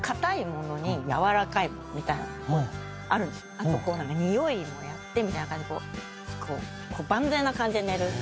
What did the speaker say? あと匂いもやってみたいな感じでこう万全な感じで寝る。